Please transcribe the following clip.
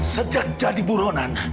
sejak jadi buronan